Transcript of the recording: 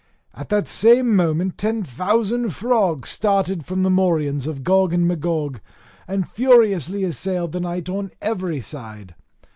At that same moment ten thousand frogs started from the morions of Gog and Magog, and furiously assailed the knight on every side.